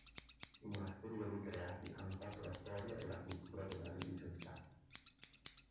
I monasteri da lui creati hanno fatto la storia e la cultura della religiosità.